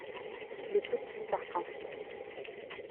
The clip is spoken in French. Les petits arcs-en-ciel